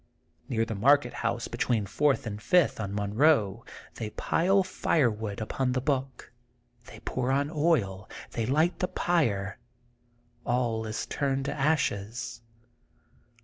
Near the market house between Fourth and Fifth on Monroe they pile fire wood upon the book. They pour on oil. They light the pyre. All is turned to ashes.